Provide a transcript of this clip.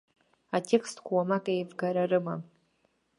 Атекстқәа уамак еивгара рымам.